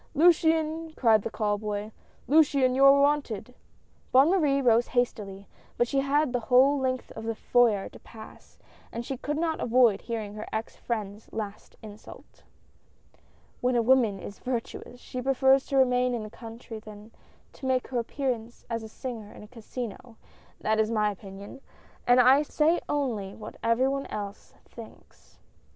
" Luciane !" cried the call boy, " Luciane, you are wanted !" Bonne Marie rose hastily, but she had the whole length of the foyer to pass, and she could not avoid hearing her ex friend's last insult. 158 WARS AND RUMORS OF WARS. " When a woman is virtuous, she prefers to remain in the country than to make her appearance as a singer in a casino — that is my opinion, and I say only what every one else thinks."